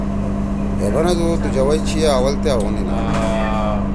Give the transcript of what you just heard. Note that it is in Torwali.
ہے بنَدُو تو جوئی چھیا اول تا اُوخ نینا۔